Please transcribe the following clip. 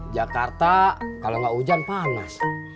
jakarta kalo gak hujan panas